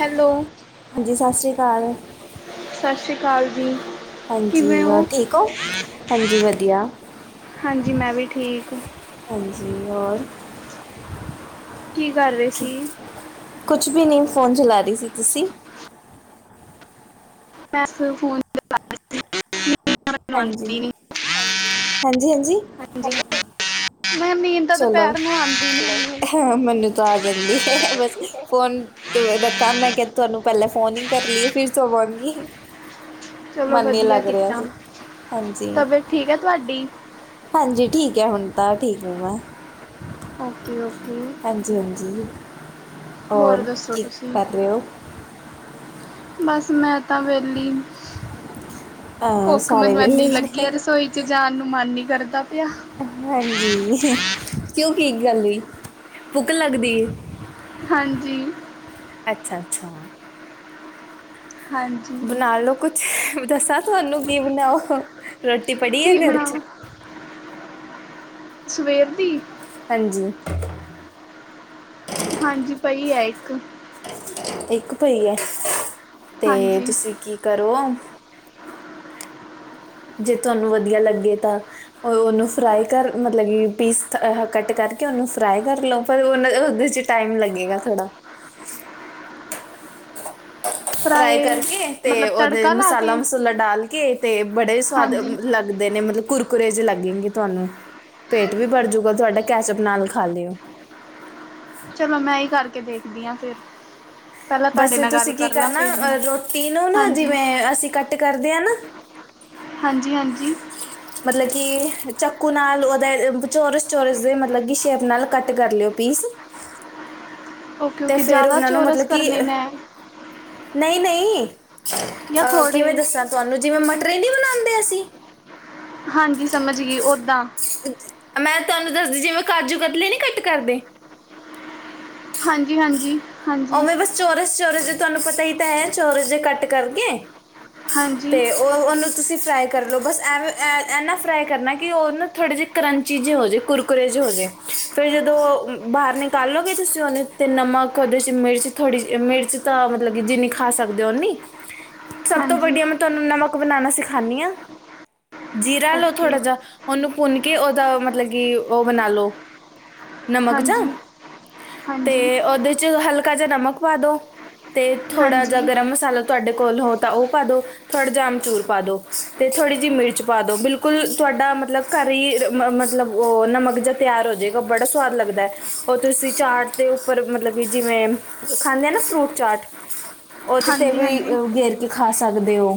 Hello ਹਾਂਜੀ ਸਤਿ ਸ਼੍ਰੀ ਅਕਾਲ ਸਤਿ ਸ੍ਰੀ ਅਕਾਲ ਜੀ। ਕਿਵੇਂ ਹਾਂਜੀ ਹੋਰ ਹੋ ਠੀਕ ਹਾਂਜੀ ਵਧੀਆ ਹਾਂਜੀ ਮੈਂ ਵੀ ਠੀਕ। ਹਾਂਜੀ ਹੋਰ ਕੀ ਕਰ ਰਹੇ। ਸੀ ਕੁਛ ਬੀ ਨਹੀਂ ਫੋਨ ਚਲਾ ਰਹੀ ਸੀ ਤੁਸੀਂ ਮੈਸ ਫੋਨ। ਮੈਨੂੰ ਹਾਂਜੀ। ਆਉਂਦੀ ਨੀ ਹਾਂਜੀ-ਹਾਂਜੀ ਹਾਂਜੀ। [unintelligible] ਮੈਂ ਨੀਂਦ ਤਾਂ ਚਲੋ ਦੁਪਹਿਰ ਨੂੰ ਆਉਂਦੀ ਨੀ ਹੈਗੀ ਹਾਂ ਮੈਨੂੰ ਤਾਂ ਆ ਜਾਂਦੀ ਏ ਬਸ ਫੋਨ ਤੂੰ ਏਂ ਦਾ ਕੰਮ ਮੈਂ ਕਿਹਾ ਤੁਹਾਨੂੰ ਪਹਿਲਾਂ ਫੋਨ ਹੀ ਕਰ ਲਇਏ ਫਿਰ ਸੌਵਾਂਗੀ। ਚਲੋ ਮਨ ਨਹੀਂ ਵਧੀਆ ਲੱਗ ਰਿਹਾ ਕੀਤਾ ਸੀ ਹਾਂਜੀ। ਤਬੀਅਤ ਠੀਕ ਹੈ ਤੁਹਾਡੀ ਹਾਂਜੀ ਠੀਕ ਹੈ ਹੁਣ ਤਾਂ ਠੀਕ ਹੂੰ ਮੈ। ਓਕੇ-ਓਕੇ। ਹਾਂਜੀ-ਹਾਂਜੀ ਹੋਰ ਦੱਸੋ ਕੀ ਤੁਸੀਂ ਕਰ ਰਹੇ ਔ? ਬਸ ਮੈਂ ਤਾਂ ਵੇਲੀ। ਅਹ ਭੁੱਖ ਸਾਰੇ ਮੈਨੂੰ ਵਿਹਲੇ ਐਨੀ ਹੀ ਲੱਗੀ ਆ ਨੇ ਰਸੋਈ ਚ ਜਾਣ ਨੂੰ ਮਨ ਨੀ ਕਰਦਾ ਪਿਆ। ਹਾਂਜੀ ਕਿਉਂ ਕਿ ਇੱਕ ਗੱਲ ਹੋਈ ਭੁੱਕ ਲੱਗਦੀ ਏ। ਹਾਂਜੀ। ਅੱਛਾ-ਅੱਛਾ। ਹਾਂਜੀ। ਬਣਾ ਲੌ ਕੁੱਛ ਦੱਸਾਂ ਤੁਹਾਨੂੰ ਕੀ ਬਣਾਓ। ਰੋਟੀ ਪੜੀ ਹੈ ਕੀ ਘਰ ਚ ਬਣਾਵਾ? ਸਵੇਰ ਦੀ- ਹਾਂਜੀ। ਹਾਂਜੀ ਪਈ ਐ ਇੱਕ। ਇੱਕ ਪਈ ਐ ਤੇ ਹਾਂਜੀ ਤੁਸੀਂ ਕੀ ਕਰੋ ਜੇ ਤੁਹਾਨੂੰ ਵਧੀਆ ਲੱਗੇ ਤਾਂ ਉਹ ਉਹਨੂੰ ਫਰਾਈ ਕਰ ਮਤਲਬ ਕਿ ਪੀਸ ਕੱਟ ਕਰਕੇ ਉਹਨੂੰ ਫਰਾਈ ਕਰ ਲਓ ਪਰ ਉਹਨਾਂ ਉਹਦੇ ਚ ਟਾਈਮ ਲੱਗੇਗਾ ਥੋੜ੍ਹਾ। ਫਰਾਈ ਫਰਾਏ ਕਰਕੇ ਤੇ ਮਤਲਬ ਉਹਦੇ ਤੜਕਾ ਲਾ ਕੇ ਮਸਾਲਾ-ਮਸੂਲਾ ਡਾਲ ਕੇ ਤੇ ਬੜੇ ਸਵਾਦ ਹਾਂਜੀ ਲੱਗੇ। ਲੱਗਦੇ ਨੇ ਮਤਲਬ ਕੁਰਕੁਰੇ ਜੇ ਲੱਗਗੇਂ ਤੁਹਾਨੂੰ। ਪੇਟ ਵੀ ਬਰ ਜੂਗਾ ਤੁਹਾਡਾ ਕੈਚਅਪ ਨਾਲ ਖਾ ਲਿਓ। ਚਲੋ ਮੈਂ ਹੀ ਕਰਕੇ ਦੇਖਦੀ ਆਂ ਫਿਰ। ਪਹਿਲਾਂ ਬਸ ਤੁਹਾਡੇ ਨਾਲ ਗੱਲ ਤੁਸੀਂ ਕੀ ਕਰ ਲਾਂ ਫਿਰ ਕਰਨਾ ਬਣਾ ਰੋਟੀ ਨੂੰ ਨਾ ਹਾਂਜੀ ਜਿਵੇਂ ਅਸੀਂ ਕੱਟ ਕਰਦੇ ਹਾਂ ਨਾ ਹਾਂਜੀ-ਹਾਂਜੀ। ਮਤਲਬ ਕਿ ਚਾਕੂ ਨਾਲ ਉਹਦੇ ਚੋਰਸ-ਚੋਰਸ ਦੇ ਮਤਲਬ ਕਿ ਸ਼ੇਪ ਨਾਲ ਕੱਟ ਕਰ ਲਿਓ ਪੀਸ। ਓਕੇ ਤੇ ਓਕੇ ਫੇਰ ਜ਼ਿਆਦਾ ਉਹਨਾਂ ਨੂੰ ਚੋਰਸ ਮਤਲਬ ਕਿ ਕਰਨੇ ਮੈਂ ਨਹੀਂ- ਨਹੀਂ ਜਾਂ ਅਹ ਥੋੜ੍ਹੇ ਕਿਵੇਂ ਦੱਸਾਂ ਤੁਹਾਨੂੰ, ਜਿਵੇਂ ਮਟਰੀ ਨਹੀਂ ਬਣਾਉਂਦੇ ਅਸੀਂ। ਹਾਂਜੀ ਸਮਝ ਗਈ ਓਦਾਂ। ਮੈਂ ਤੁਹਾਨੂੰ ਦੱਸਦੀ ਜਿਵੇਂ ਕਾਜੂ ਕਤਲੀ ਨੀ ਕੱਟ ਕਰਦੇ। ਹਾਂਜੀ- ਹਾਂਜੀ- ਹਾਂਜੀ ਉਵੇ ਬਸ ਚੋਰਸ -ਚੋਰਸ ਜੇ ਤੁਹਾਨੂੰ ਪਤਾ ਹੀ ਤਾਂ ਹੈ। ਚੋਰਸ ਜੇ ਕੱਟ ਕਰਕੇ ਹਾਂਜੀ- ਤੇ ਉਹ ਉਹਨੂੰ ਤੁਸੀ ਫਰਾਈ ਕਰ ਲਉ ਬਸ ਐਵੇ ਐ ਨਾ ਫਰਾਈ ਕਰਨਾ ਕਿ ਉਹਨੂੰ ਥੋੜ੍ਹੇ ਜਿਹੇ ਕਰੰਚੀ ਜੇ ਹੋਜੇ ਕੁਰਕੁਰਰੇ ਜੇ ਹੋਜੇ, ਫੇਰ ਜਦੋਂ ਬਾਹਰ ਨਿਕਾਲੋਗੇ ਤੁਸੀ ਉਹਨੇ ਤੇ ਨਮਕ ਉਦੇ ਚ- ਮਿਰਚ ਥੋੜ੍ਹੀ ਜਿ ਮਿਰਚ ਤਾਂ ਮਤਲਬ ਕਿ ਜਿੰਨੀ ਖਾ ਸਕਦੇ ਹੋ ਉਨੀ, ਸਭ ਤੋਂ ਹਾਂਜੀ ਵੱਡੀਆਂ ਮਤਲਬ ਤੁਹਾਨੂੰ ਨਮਕ ਬਣਾਉਣਾ ਸਿਖਾਂਦੀ ਹਾਂ ਜੀਰਾ ਲਓ ਥੋੜ੍ਹਾ ਓਕੇ ਜਿਹਾ, ਉਹਨੂੰ ਭੁੰਨ ਕੇ ਉਹਦਾ ਮਤਲਬ ਕਿ ਉਹ ਬਣਾ ਲਉ ਨਮਕ ਜਾਂ ਹਾਂਜੀ ਤੇ ਹਾਂਜੀ ਉਹਦੇ 'ਚ ਹਲਕ ਜਿਹਾ ਨਮਕ ਪਾ ਦੋ, ਤੇ ਥੋੜਾ ਜਿਹਾ ਹਾਂਜੀ ਗਰਮ ਮਸਾਲਾ ਤੁਹਾਡੇ ਕੋਲ ਹੋ ਤਾਂ ਉਹ ਪਾ ਦੋ ਥੋੜਾ ਜਿਹਾ ਅਮਚੂਰ ਪਾ ਦੋ, ਤੇ ਥੋੜ੍ਹੀ ਜਿਹੀ ਮਿਰਚ ਪਾ ਦੋ ਬਿਲਕੁਲ ਤੁਹਾਡਾ ਮਤਲਬ ਘਰ ਹੀ ਮਤਲਬ ਉਹ ਨਮਕ ਜਿਹਾ ਤਿਆਰ ਹੋ ਜਾਏਗਾ ਬੜਾ ਸਵਾਦ ਲਗਦਾ ਹੈ ਉਹ ਤੁਸੀ ਚਾਟ ਦੇ ਉਪਰ ਮਤਲਬ ਕਿ ਜਿਵੇ ਖਾਂਦੇ ਆ ਨਾ ਫਰੂਟ ਚਾਟ, ਉਹਦੇ ਤੇ ਹਾਂਜੀ ਵੀ ਹਾਂਜੀ ਗੇਰ ਕੇ ਖਾ ਸਕਦੇ ਹੋ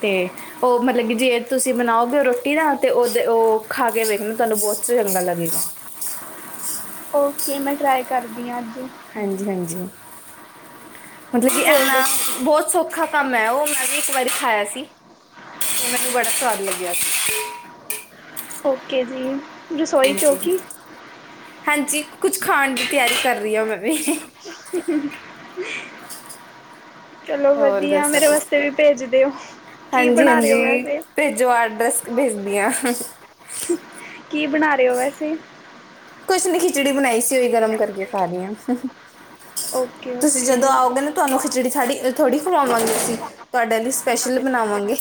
ਤੇ- ਉਹ ਮਤਲਬ ਕਿ ਜੇ ਤੁਸੀਂ ਬਣਾਓਗੇ ਰੋਟੀ ਦਾ, ਤੇ ਉਹਦੇ ਉਹ ਖਾ ਕੇ ਵੇਖਣਾ ਤੁਹਾਨੂੰ ਬਹੁਤ ਚੰਗਾ ਲੱਗੇਗਾ ਓਕੇ ਮੈਂ ਟਰਾਈ ਕਰਦੀ ਹਾਂ ਅਜ ਹਾਂਜੀ- ਹਾਂਜੀ, ਮਤਲਬ ਕਿ ਹੋਰ ਇੰਨਾ ਦੱਸੋ ਤੁਸੀਂ ਬਹੁਤ ਸੌਖਾ ਕਮ ਹੈ। ਉਹ ਮੈਂ ਵੀ ਇਕ ਵਾਰੀ ਖਾਇਆ ਸੀ ਤੇ ਮੈਨੂੰ ਬੜਾ ਸਵਾਦ ਲਗਿਆ ਸੀ। ਓਕੇ ਜੀ- ਰਸੋਈ ਹਾਂਜੀ- ਚੌਕੀ ਹਾਂਜੀ ਕੁਛ ਖਾਣ ਦੀ ਤਿਆਰੀ ਕਰ ਰਹੀ ਹਾਂ ਮੈ ਵੀ ਠਕ [unintelligible] [unintelligible] ਚਲੋ ਹੋਰ ਵਧੀਆ, ਦੱਸੋ ਮੇਰੇ ਤੁਸੀਂ ਵਾਸਤੇ ਵੀ ਭੇਜ ਦਿਓ ਕੀ ਹਾਂਜੀ ਬਣਾ ਰਹੇ ਹੋ ਹਾਂਜੀ ਵੈਸੇ ਭੇਜੋ ਐਡਰੈਸ ਭੇਜਦੀ ਹਾਂ ਕੀ ਬਣਾ ਰਹੇ ਹੋ ਵੈਸੇ ਕੁਛ ਨੀ ਖਿਚੜੀ ਬਣਾਈ ਸੀ ਉਹੀ ਗਰਮ ਕਰਕੇ ਖਾ ਰਹੀ ਹਾਂ। ਓਕੇ ਤੁਸੀ ਜਦੋ ਓਕੇ ਆਓਗੇ ਨਾ ਤੁਹਾਨੂੰ ਖਿਚੜੀ ਸਾਡੀ ਥੋੜ੍ਹੀ ਖਵਾਂਗੇ, ਅਸੀ ਤੁਹਾਡੇ ਲਈ ਸਪੈਸ਼ਲ ਬਣਾਵਾਂਗੇ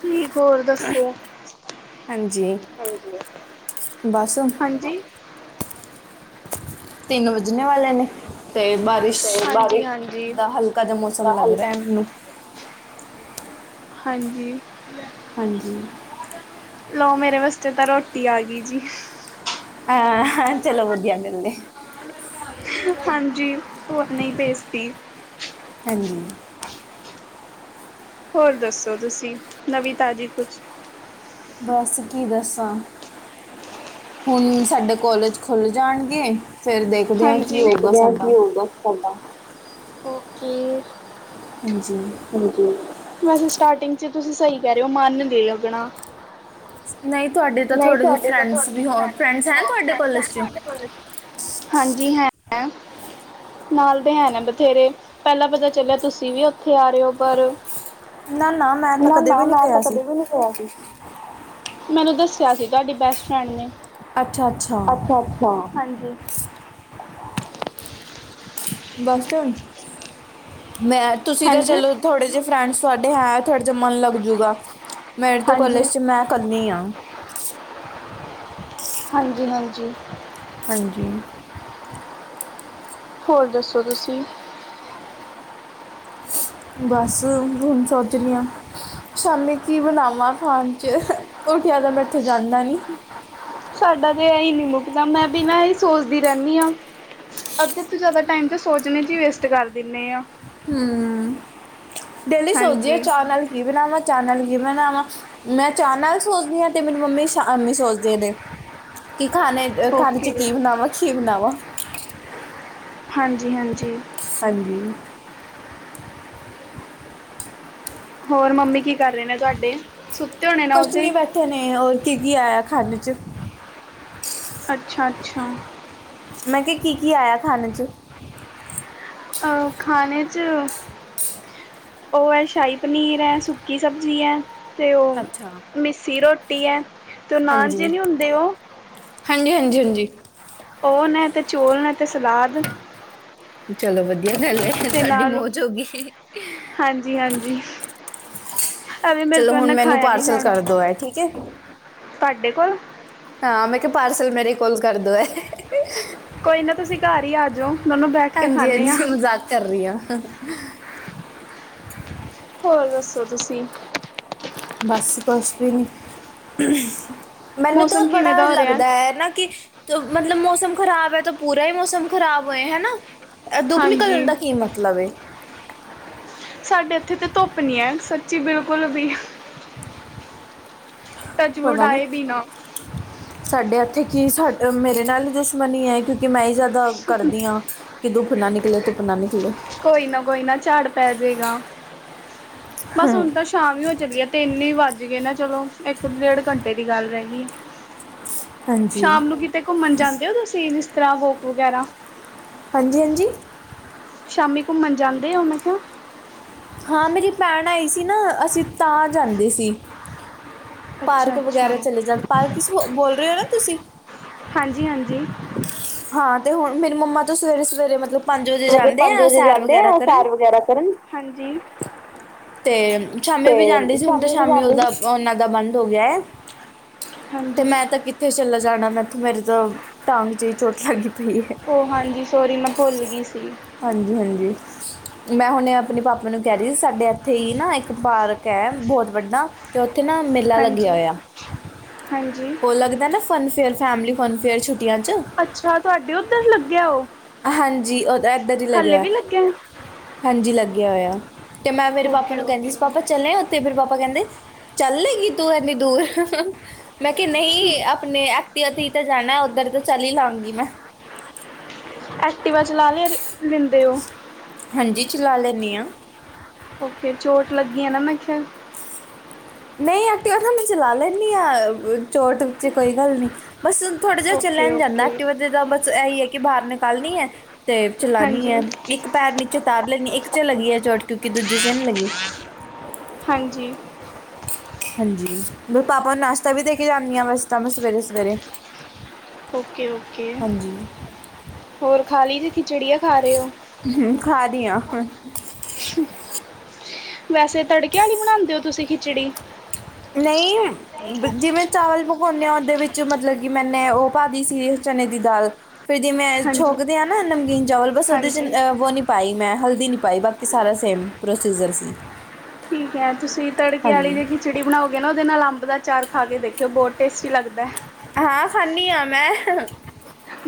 ਠੀਕ ਹੋਰ ਦਸੋ, ਹਾਂਜੀ ਬਸ ਹਾਂਜੀ- ਤਿੰਨ ਵੱਜਣੇ ਵਾਲੇ ਨੇ- ਤੇ ਬਾਰਿਸ਼, ਹਾਂਜੀ ਹਾਂਜੀ ਦਾ ਹਲਕਾ ਜਿਹਾ ਮੌਸਮ ਲਗ ਰਿਹਾ ਹੈ। ਮੈਨੂੰ ਹਾਂਜੀ- ਹਾਂਜੀ- ਲਓ ਮੇਰੇ ਵਾਸਤੇ ਤਾਂ ਰੋਟੀ ਆ ਗਈ ਜੀ। ਹਾਂ ਚਲੋ ਵਧੀਆ ਮਿਲਦੇ [unintelligible] [unintelligible] ਹਾਂਜੀ, ਉਹ ਨਹੀ ਭੇਜਤੀ ਹਾਂਜੀ- ਹੋਰ ਦਸੋ ਤੁਸੀ, ਨਵੀ ਤਾਜ਼ੀ ਕੁਛ [inaudible] [inaudible] ਬਸ ਕੀ ਦਸਾਂ- ਹੁਣ ਸਾਡੇ ਕਾਲਜ ਖੁਲ੍ਹ ਜਾਣਗੇ, ਫਿਰ ਦੇਖ ਹਾਂਜੀ, ਓਕੇ- ਹਾਂਜੀ- ਵੈਸੇ ਸਟਾਰਟਿੰਗ 'ਚ ਤੁਸੀ ਸਹੀ ਕਹਿ ਰਹੇ ਹੋ ਮਨ ਨਹੀ ਲਗਣਾ ਨਹੀਂ ਤੁਹਾਡੇ ਤਾਂ ਨਹੀਂ ਥੋੜੇ ਜਿਹੇ ਤੁਹਾਡੇ ਤੋ ਫਰੈਂਡਸ ਥੋੜੀ ਵੀ ਹੋ ਲੈਣੇ, ਫਰੈਂਡਸ ਹਨ [unintelligible] ਤੁਹਾਡੇ ਕਾਲਜ ਹੈ 'ਚ ਥੁਹਾਡੇ ਕੋਲੇ। ਹਾਂਜੀ, ਹੈਂਗਾ। ਨਾਲਦੇ ਨੇ ਹੈਨੇ ਬਥੇਰੇ। ਪਹਿਲਾਂ ਪਤਾ ਚਲਿਆ ਤੁਸੀ ਵੀ ਉਥੇ ਆ ਰਹੇ ਹੋ, ਪਰ ਨਾ ਨਾ ਮੈਂ ਤਾਂ ਕਦੇ ਨਾ-ਨਾ, ਵੀ ਨਾ, ਨਹੀਂ ਆ ਤਾਂ ਗਿਆ ਸੀ ਕਦੇ ਵੀ ਨੀ। ਤੋਂ ਆਇਆ ਸੀ? ਮੈਨੂੰ ਦੱਸਿਆ ਸੀ, ਤੁਹਾਡੀ ਬੈਸਟ ਫਰੈਂਡ ਨੇ। ਅੱਛਾ ਅੱਛਾ ਅੱਛਾ-ਅੱਛਾ! ਹਾਂਜੀ। ਬਸ ਤੇ ਹੁਣ, ਮੈਂ ਤੁਸੀਂ ਤਾਂ ਹਾਂਜੀ, ਚੱਲੋ ਥੋੜੇ ਜਿਹੇ ਫਰੈਂਡਸ ਸਾਡੇ ਹੈ, ਥੋੜ੍ਹੇ ਜਾ ਮਨ ਲਗਜੂਗਾ, ਮੇਰੇ ਤੋਂ ਹਾਂਜੀ, ਕੋਲਜ'ਚ ਮੈਂ ਕੱਲੀ ਆਂ। ਹਾਂਜੀ-ਹਾਂਜੀ। ਹਾਂਜੀ। ਹੋਰ, ਦੱਸੋ ਤੁਸੀਂ? ਬਸ, ਹੁਣ ਸੋਚ ਰਹੀ ਆਂ। ਸ਼ਾਮੀ ਕੀ ਬਣਾਵਾਂ ਖਾਣ'ਚ? ਉਠਿਆ ਤਾਂ ਮੈਥੋ ਜਾਂਦਾ ਨੀ। ਸਾਡਾ ਤੇ ਐਈ ਨਹੀਂ ਮੁੱਕਦਾ, ਮੈਂ ਬੀ ਨਾਂ ਇਹੀ ਸੋਚਦੀ ਰਹਿੰਨੀ ਆਂ। ਅੱਧੇ ਤੋਂ ਜ਼ਿਆਦਾ ਟਾਈਮ ਤੇ ਸੋਚਣੇ'ਚ ਹੀ ਵੇਸਟ ਕਰ ਦਿੰਨੇ ਆਂ। ਹੂੰ, ਡੇਲੀ ਸੋਚਦੀ ਆ ਹਾਂਜੀ ਚਾਹ ਨਾਲ ਕੀ ਬਣਾਵਾਂ? ਚਾਹ ਨਾਲ ਕੀ ਬਨਾਵਾਂ? ਮੈਂ ਚਾਹ ਨਾਲ ਸੋਚਦੀ ਆਂ, ਤੇ ਮੇਰੀ ਮੰਮੀ, ਸ਼ਾਮੀ ਸੋਚਦੇ ਨੇ। ਕੀ ਖਾਣੇ ਖਾਣੇ'ਚ ਓਕੇ ਕੀ ਬਣਾਵਾਂ? ਕੀ ਬਣਾਵਾ? ਹਾਂਜੀ-ਹਾਂਜੀ। ਹਾਂਜੀ! ਹੋਰ, ਮੰਮੀ ਕੀ ਕਰ ਰਹੇ ਨੇ, ਤੁਹਾਡੇ? ਸੁੱਤੇ ਹੋਣੇ। ਨਾ ਕੁਛ ਉਹਦੇ ਨੀ ਬੈਠੇ ਨੇ, ਹੋਰ ਕੀ-ਕੀ ਆਇਆ ਖਾਨੇ'ਚ। ਅੱਛਾ-ਅੱਛਾ। ਮੈਂ ਕਿਆ ਕੀ-ਕੀ ਆਇਆ ਖਾਨੇ'ਚ? ਅ--ਖਾਣੇ'ਚ ਉਹ ਐ, ਸ਼ਾਹੀ-ਪਨੀਰ ਐ, ਸੁੱਕੀ ਸਬਜ਼ੀ ਐ। ਅਤੇ ਉਹ, ਅੱਛਾ ਮੀੱਸੀ ਰੋਟੀ ਹੈ। ਅਤੇ ਉਹ ਨਾਨ ਜੇ ਹਾਂਜੀ, ਨਹੀਂ ਹੁੰਦੇ ਉਹ ਹਾਂਜੀ-ਹਾਂਜੀ, ਹਾਂਜੀ। ਉਹ ਨੇ ਤੇ, ਚੋਲ ਨੇ ਤੇ ਸਲਾਦ। ਚਲੋ ਵਧੀਆ ਗੱਲ ਏ, ਅਤੇ ਤੁਹਾਡੀ ਨਾਲ ਮੌਜ ਹੋ ਗਈ। ਹਾਂਜੀ ਹਾਂਜੀ ਐਵੇਂ ਮੇਰੇ ਚਲੋ ਤੋਂ ਹੁਣ, ਇੰਨਾ ਮੈਨੂੰ ਖਾਇਆ ਨਹੀਂ ਪਾਰਸਲ ਜਾਣਾ ਕਰਦੋ ਐ, ਠੀਕ ਏ। ਤੁਹਾਡੇ ਕੋਲ? ਹਾਂ, ਮੈਂ ਕਿਹਾ ਪਾਰਸਲ ਮੇਰੇ ਕੋਲ ਕਰਦੋ ਐ। ਕੋਈ ਨਾ ਤੁਸੀਂ ਘਰ ਹੀ ਆ ਜਾਓ ਦੋਨੋਂ ਬੈਠ ਕੇ ਖਾਂਦੇ ਹਾਂ ਹਾਂਜੀ-ਹਾਂਜੀ, ਮਜ਼ਾਕ ਕਰ ਰਹੀ ਆਂ। ਹੋਰ ਦੱਸੋ ਤੁਸੀਂ? ਬਸ ਕੁਛ ਵੀ ਨਹੀਂ। ਮੈਨੂੰ ਤੋ ਮੌਸਮ ਕਿਵੇਂ ਬੜਾ ਦਾ ਹੋ ਰਿਹਾ ਲੱਗਦਾ ਐ, ਨਾ ਕੀ ਮਤਲਬ ਮੌਸਮ ਖ਼ਰਾਬ ਹੈ, ਤੋ ਪੂਰਾ ਹੀ ਮੌਸਮ ਖ਼ਰਾਬ ਹੋਏ ਹੈਨਾ। ਇਹ, ਦੁੱਪ ਹਾਂਜੀ ਨਿਕਲਣ ਦਾ ਕੀ ਮਤਲਬ ਏ। ਸਾਡੇ ਇੱਥੇ ਤਾਂ ਧੁੱਪ ਨਹੀਂ ਹੈ, ਸੱਚੀ ਬਿਲਕੁਲ ਵੀ। ਟੱਚਵੁੱਡ ਪਤਾ ਨਹੀਂ। ਆਏ ਵੀ ਨਾ ਸਾਡੇ ਇੱਥੇ ਕੀ, ਸਾ ਮੇਰੇ ਨਾਲ ਈ ਦੁਸ਼ਮਣੀ ਐ, ਕਿਉਂਕਿ ਮੈਂ ਹੀ ਜ਼ਿਆਦਾ ਕਰਦੀ ਹਾਂ। ਕਿ ਦੁੱਪ ਨਾ ਨਿਕਲੇ, ਧੁਪ ਨਾ ਨਿਕਲੇ। ਕੋਈ ਨਾ ਕੋਈ ਨਾ, ਝਾੜ ਪੈ ਜੇਗਾ। ਬਸ ਹਾਂਜੀ ਹੁਣ ਤਾਂ ਸ਼ਾਮ ਹੀ ਹੋ ਚੱਲੀਏ, ਤਿੰਨ ਹੀ ਵੱਜ ਗਏ ਨਾ ਚਲੋ, ਇੱਕ-ਡੇਢ ਘੰਟੇ ਦੀ ਗੱਲ ਰਹਿ ਗਈ। [unintelligible] ਸ਼ਾਮ ਨੂੰ ਕਿਤੇ ਘੁੰਮਣ ਜਾਂਦੇ ਹੋ ਤੁਸੀਂ, ਜਿਸ ਤਰ੍ਹਾਂ ਵੋਕ ਵਗੈਰਾ? ਹਾਂਜੀ-ਹਾਂਜੀ। ਸ਼ਾਮੀ ਘੁੰਮਣ ਜਾਂਦੇ ਔ ਮੈਂ ਕਿਆ? ਹਾਂ, ਮੇਰੀ ਭੈਣ ਆਈ ਸੀ ਨਾ ਅਸੀ ਤਾਂ ਜਾਂਦੇ ਸੀ। ਅੱਛਾ ਪਾਰਕ ਅੱਛਾ ਵਗੈਰਾ ਚਲੇ ਜਾਂਣ, ਪਾਰਕ [unintelligible] ਬੋਲ ਰੇ ਔ ਨਾ ਤੁਸੀ। ਹਾਂਜੀ-ਹਾਂਜੀ। ਹਾਂ ਤੇ ਹੁਣ ਮੇਰੀ ਮੰਮਾ ਤੋਂ ਸਵੇਰੇ-ਸਵੇਰੇ ਮਤਲਬ ਵਜੇ ਮਤਲਬ ਜਾਂਦੇ ਪੰਜ ਆ ਵਜੇ ਸੈਰ ਜਾਂਦੇ ਵਗੈਰਾ ਐ ਕਰਨ ਸੈਰ ਵਗੈਰਾ ਕਰਨ। ਹਾਂਜੀ। ਤੇ ਸ਼ਾਮੀ ਤੇ ਵੀ ਜਾਂਦੀ ਸੀ ਹੁਣ ਤੇ ਵੀ ਸ਼ਾਮੀ ਜਾਂਦੇ ਔਦਾ ਸੀ ਔਹਨਾਂ ਦਾ ਬੰਦ ਹੋ ਗਿਆ ਐ। ਤੇ ਹਾਂਜੀ ਮੈਂ ਤੇ ਕਿੱਥੇ ਚਲੇ ਜਾਣਾ ਮੈਥੋਂ ਮੇਰੇ ਤੋ ਟਾਂਗ 'ਚ ਈ ਚੋਟ ਲੱਗੀ ਪਈ ਏ। ਔ ਹਾਂਜੀ, ਸੋਰੀ ਮੈਂ ਭੁੱਲ ਗੀ ਸੀ। ਹਾਂਜੀ-ਹਾਂਜੀ। ਮੈਂ ਹੁਣੇ ਆਪਣੇ ਪਾਪਾ ਨੂੰ ਕੈ ਰੀ ਸੀ ਸਾਡੇ ਇੱਥੇ ਈ ਨਾ ਇੱਕ ਪਾਰਕ ਐ ਬੋਹਤ ਵੱਡਾ ਤੇ ਔਥੇ ਨਾ ਮੇਲਾ ਲੱਗਿਆ ਹਾਂਜੀ ਹੋਇਆ। ਹਾਂਜੀ। ਔ ਲੱਗਦੈ ਨਾ fun fair, family fun fair ਛੁੱਟੀਆਂ 'ਚ। ਅੱਛਾ! ਤੁਆਡੇ ਔਧਰ ਲੱਗਿਐ ਔ। ਹਾਂਜੀ, ਔ ਤਾਂ ਏਧਰ ਈ ਲੱਗਿਐ। ਹਾਂਜੀ ਲੱਗਿਆ ਹੋਇਐ। ਤੇ ਮੈਂ ਮੇਰੇ ਪਾਪਾ ਓਕੇ ਨੂੰ ਕੈਂਦੀ ਓਕੇ ਸੀ ਪਾਪਾ ਚਲੇਂ ਔਥੇ ਫੇਰ ਪਾਪਾ ਕੈਂਦੇ ਚੱਲ ਲੇਂਗੀ ਤੂੰ ਐਨੀ ਦੂਰ? ਮੈਂ ਕਿਆ ਨਹੀਂ ਆਪਣੇ ਐਕਟੀਵਾ ਤੇ ਹੀ ਤਾਂ ਜਾਣੈ ਉੱਧਰ ਤੇ ਚਲ ਹੀ ਲਾਂਗੀ ਮੈਂ। ਐਕਟੀਵਾ ਚਲਾ ਲਿਆਰ ਲੈਂਦੇ ਔ? ਹਾਂਜੀ, ਚਲਾ ਲੈਂਨੀ ਆਂ। ਔਕੇ ਚੋਟ ਲੱਗੀ ਆ ਨਾ ਮੈਂ ਕਿਆ। ਨਈ ਐਕਟੀਵਾ ਤੇ ਮੈਂ ਅਪਣੀ ਚਲਾ ਲੈਂਨੀ ਆ ਚੋਟ ਵਿੱਚ ਕੋਈ ਗੱਲ ਨੀ। ਬਸ ਹੁਨ ਥੋੜ੍ਹਾ ਜਿਹਾ ਚੱਲਿਆ ਓਕੇ ਨ ਜਾਂਦਾ ਓਕੇ ਐਕਟੀਵਾ ਦੇ ਤਾ ਬਸ ਇਹੀ ਐ ਕਿ ਬਾਹਰ ਨਕਾਲਣੀ ਐ। ਤੇ ਚਲਾਣੀ ਹਾਂਜੀ ਆਂ। ਇੱਕ ਪੈਰ ਨੀਚੇ ਤਾਰ ਲੈਂਨੀ ਅ। ਇੱਕ 'ਚ ਲਗੀ ਐ ਚੋਟ ਕਿਉਂਕਿ ਦੂਜੇ 'ਚ ਨੀ ਲੱਗੀ। ਹਾਂਜੀ। ਹਾਂਜੀ ਮੇਰੇ ਪਾਪਾ ਨੂੰ ਨਾਸ਼ਤਾ ਵੀ ਦੇ ਕੇ ਜਾਂਨੀ ਆਂ ਵੈਸ ਤਾਂ ਮੈਂ ਸਵੇਰੇ-ਸਵੇਰੇ। ਔਕੇ-ਔਕੇ ਹੋਰ ਖਾ ਲੀ ਜੇ ਖਿਚੜੀਆ ਖਾ ਰਏ ਔ? ਹੂੰ, ਖਾ ਰੀ ਆਂ। ਵੈਸੇ ਤੜਕੇ ਆਲੀ ਬਣਾਂਦੇ ਔ ਤੁਸੀ ਖਿਚੜੀ? ਨਈ ਜਿਵੇਂ ਚਾਵਲ ਪਕੋਨੇ ਆਂ ਔਦੇ ਵਿੱਚ ਮਤਲਬ ਕਿ ਮੈਨੇ ਔ ਪਾ ਦੀ ਸੀ ਚਨੇ ਦੀ ਦਾਲ। ਫਿਰ ਜਿਮੈਂ ਹਾਂਜੀ ਛੋਕਦੇ ਆਂ ਨਾ ਨਮਕੀਨ ਚਾਵਲ ਬਸ ਔਦੇ 'ਚ ਹਾਂਜੀ ਅ ਵੋ ਨੀ ਪਾਈ ਮੈਂ, ਹਲਦੀ ਨੀ ਪਾਈ ਬਾਕੀ ਸਾਰਾ ਸੇਮ ਪ੍ਰੋਸੀਜਰ ਸੀ। ਠੀਕ ਐ ਤੁਸੀ ਤੜਕੇ ਆਲੀ ਵੀ ਹਾਂਜੀ ਖਿਚੜੀ ਬਣਾਔਗੇ ਨਾ ਔਦੇ ਨਾਲ ਅੰਬ ਦਾ ਅਚਾਰ ਖਾ ਕੇ ਦੇਖਿਓ ਬੋਤ ਟੇਸਟੀ ਲੱਗਦੈ। ਹਾਂ, ਖਾਂਨੀ ਆਂ ਮੈਂ।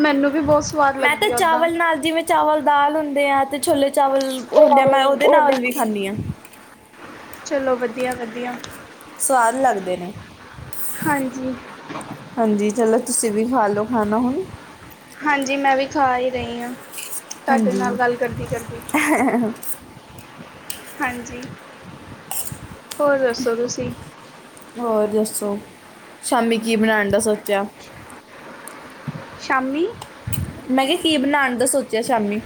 ਮੈਨੂੰ ਵੀ ਬਹੁਤ ਸਵਾਦ ਮੈਂ ਤੇ ਲੱਗਦੀ ਆ ਉੱਦਾਂ ਚਾਵਲ ਨਾਲ ਜਿਵੇਂ ਚਾਵਲ ਦਾਲ ਹੁੰਦੇ ਆ ਤੇ ਛੋਲੇ ਚਾਵਲ ਔ ਹੁੰਦੇ ਆ ਮੈਂ ਔਦੇ ਉਹ ਨਾਲ ਵੀ ਹਾਂਜੀ ਖਾਂਨੀ ਆਂ। ਚਲੋ, ਵਧੀਆ-ਵਧੀਆ। ਸਵਾਦ ਲੱਗਦੇ ਨੇ। ਹਾਂਜੀ। ਹਾਂਜੀ, ਚਲੋ ਤੁਸੀ ਵੀ ਖਾ ਲੋ ਖਾਣਾ ਹੁਣ। ਹਾਂਜੀ ਮੈਂ ਵੀ ਖਾ ਈ ਰਈ ਆਂ ਤਾਡੇ ਹਾਂਜੀ ਨਾਲ ਗੱਲ ਕਰਦੀ-ਕਰਦੀ। [unintelligible] ਹਾਂਜੀ, ਹੋਰ ਦੱਸੋ ਤੁਸੀ? ਹੋਰ ਦੱਸੋ, ਸ਼ਾਮੀ ਕੀ ਬਣਾਣ ਦਾ ਸੋਚਿਆ? ਸ਼ਾਮੀ ਮੈਂ ਕਿਆ ਕੀ ਬਣਾਣ ਦਾ ਸੋਚਿਆ ਸ਼ਾਮੀ।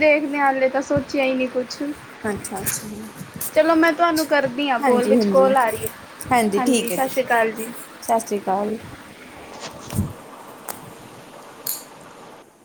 ਦੇਖਣੇ ਆਲੇ ਤਾਂ ਸੋਚਿਆ ਈ ਨਈ ਕੁਛ। ਅੱਛਾ-ਅੱਛਾ। ਚਲੋ, ਮੈਂ ਤੁਹਾਨੂੰ ਕਰਦੀ ਹਾਂ ਕੋਲ ਵਿੱਚ ਕੋਲ ਆ ਰਹੀ ਹੈ ਹਾਂਜੀ, ਠੀਕ ਹੈ ਸਤਿ ਜੀ ਸ਼੍ਰੀ ਅਕਾਲ ਜੀ। ਸਤਿ ਸ਼੍ਰੀ ਅਕਾਲ।